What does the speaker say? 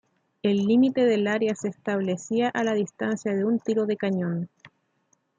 El límite del área se establecía a la distancia de un tiro de cañón.